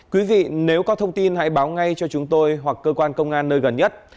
quý vị nếu có thông tin hãy báo ngay cho chúng tôi hoặc cơ quan công an nơi gần nhất